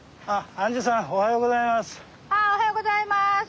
ああおはようございます。